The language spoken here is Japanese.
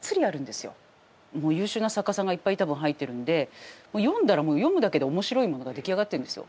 もう優秀な作家さんがいっぱい多分入ってるんで読んだらもう読むだけで面白いものが出来上がってるんですよ。